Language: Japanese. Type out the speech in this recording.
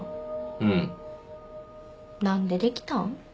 うんなんでできたん？